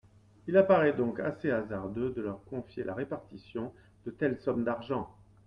Il apparaît donc assez hasardeux de leur confier la répartition de telles sommes d’argent.